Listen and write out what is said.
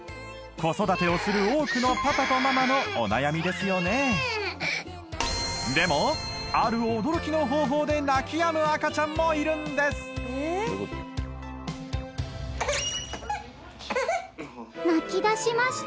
子育てをする多くのパパとママのお悩みですよねでもある驚きの方法で泣きやむ赤ちゃんもいるんです泣きだしました